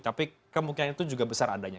tapi kemungkinan itu juga besar adanya